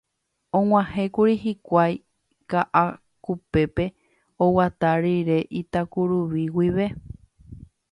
Og̃uahẽkuri hikuái Ka'akupépe oguata rire Itakuruvi guive